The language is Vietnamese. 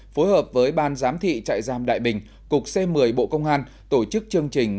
phối hợp với ban giám thị trại giam đại bình cục c một mươi bộ công an tổ chức chương trình